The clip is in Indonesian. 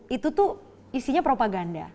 itu tuh isinya propaganda